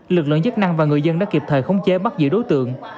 lực lượng chức năng và người dân đã kịp thời khống chế bắt giữ đối tượng